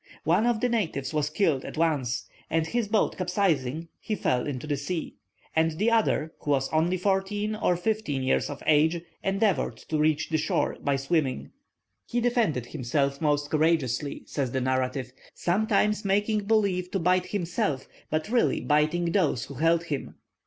One of the natives was killed at once, and, his boat capsizing, he fell into the sea, and the other, who was only fourteen or fifteen years of age, endeavoured to reach the shore by swimming. "He defended himself most courageously," says the narrative, "sometimes making believe to bite himself, but really biting those who held him.